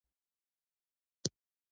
د تا کور چېرته ده او کله راځې